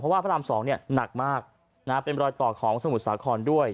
เพราะว่าพระราม๒หนักมากเป็นรอยต่อของสมุทรสาครด้วย